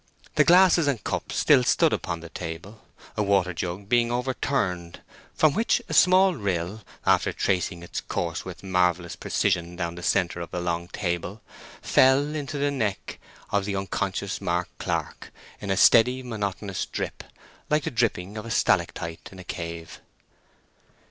The glasses and cups still stood upon the table, a water jug being overturned, from which a small rill, after tracing its course with marvellous precision down the centre of the long table, fell into the neck of the unconscious Mark Clark, in a steady, monotonous drip, like the dripping of a stalactite in a cave.